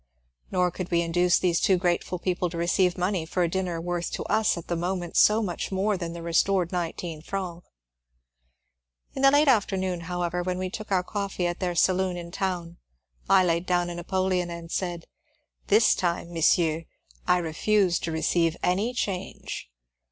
Nor could we induce these two grateful peo ple to receive money for a dinner worth to us at the moment so much more than the restored nineteen francs. In the late afternoon, however, when we took coffee at their saloon in town, I laid down a napoleon and said, '^ This time, monsieur, I refuse to receive any change."